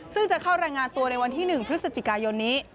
ซึ่งจะเข้ารายงานตัวในวันที่๑พฤศจิกายนนี้